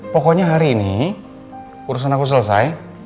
pokoknya hari ini urusan aku selesai